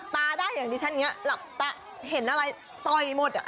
แต่เห็นอะไรต่อยหมด